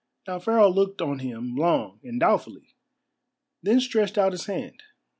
Now Pharaoh looked on him long and doubtfully, then stretched out his hand.